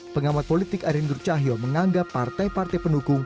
pengamat politik aryan nur cahyo menganggap partai partai penukung